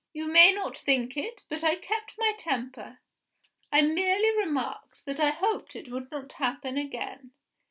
You may not think it, but I kept my temper. I merely remarked that I hoped it would not happen again.